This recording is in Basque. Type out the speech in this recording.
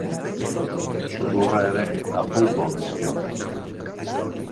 Sudurra ere apurtu omen zion.